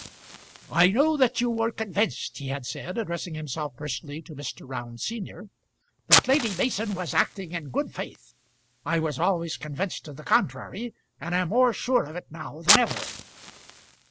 "I know that you were convinced," he had said, addressing himself personally to Mr. Round senior, "that Lady Mason was acting in good faith. I was always convinced of the contrary, and am more sure of it now than ever."